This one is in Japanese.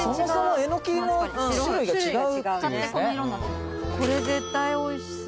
矢田：「これ絶対おいしそう」